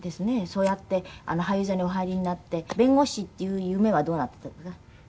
そうやって俳優座にお入りになって弁護士っていう夢はどうなっていったんですか？